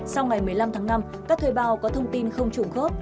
sau ngày một mươi năm tháng năm các thuê bao có thông tin không trùng khớp